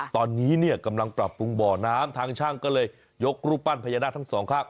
ตอนนี้เนี่ยกำลังปรับปรุงบ่อน้ำทางช่างก็เลยยกรูปปั้นพญานาคทั้งสองข้าง